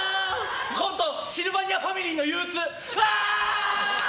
コントシルバニアファミリーの憂鬱。